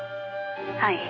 「はい。